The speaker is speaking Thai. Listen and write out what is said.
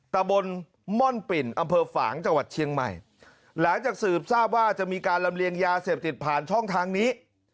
ตะบนม่อนปิ่นอำเภอฝางจังหวัดเชียงใหม่หลังจากสืบทราบว่าจะมีการลำเลียงยาเสพติดผ่านช่องทางนี้